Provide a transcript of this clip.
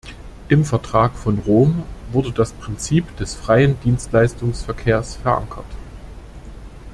Im Vertrag von Rom wurde das Prinzip des freien Dienstleistungsverkehrs verankert.